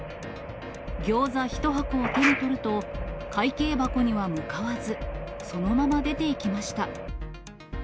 ギョーザ１箱を手に取ると、会計箱には向かわず、そのまま出ていきました。